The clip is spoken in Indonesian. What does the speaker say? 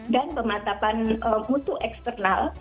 dan pemantapan mutu eksternal